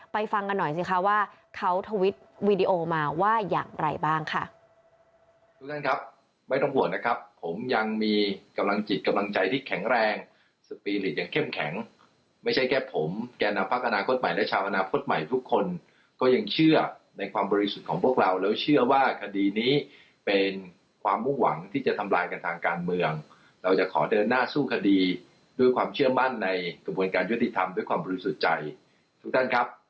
ฟังกันหน่อยสิคะว่าเขาทวิตวีดีโอมาว่าอย่างไรบ้างค่ะ